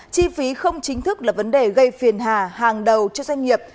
chi phí không chính thức là vấn đề gây phiền hà hàng đầu cho doanh nghiệp